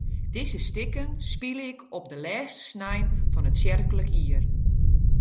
Dizze stikken spylje ik op de lêste snein fan it tsjerklik jier.